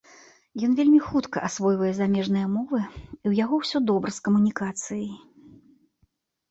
Ён вельмі хутка асвойвае замежныя мовы і ў яго ўсё добра з камунікацыяй.